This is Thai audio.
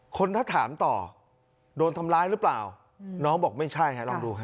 คนถ้าถามต่อโดนทำร้ายหรือเปล่าน้องบอกไม่ใช่ฮะลองดูฮะ